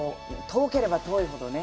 遠ければ遠いほどね。